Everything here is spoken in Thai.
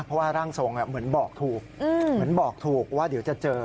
เพราะว่าร่างทรงเหมือนบอกถูกว่าเดี๋ยวจะเจอ